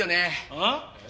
ああ？